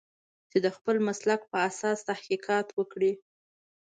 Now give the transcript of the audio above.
چې د خپل مسلک په اساس تحقیقات وکړي.